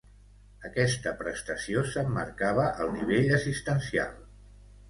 Aquesta prestació s'emmarcava al nivell assistencial.